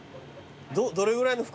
どれぐらいの袋？